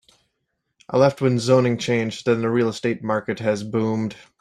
I left when the zoning changed and the real estate market has boomed.